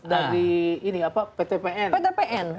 dia dapat dari ptpn